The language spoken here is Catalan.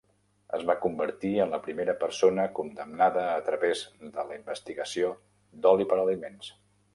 Es va convertir en la primera persona condemnada a través de la investigació d'oli per aliments.